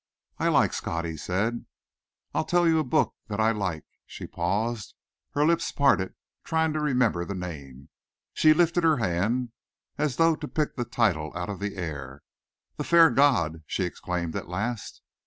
"I like Scott," he said. "I'll tell you a lovely book that I like." She paused, her lips parted trying to remember the name. She lifted her hand as though to pick the title out of the air. "The Fair God," she exclaimed at last.